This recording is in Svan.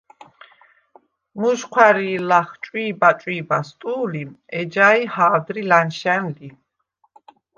მუჟჴვა̄̈რი̄ლ ლახ “ჭვი̄ბა-ჭვი̄ბას” ტუ̄ლი, ეჯაი ჰა̄ვდრი ლა̈ნშა̈ნ ლი.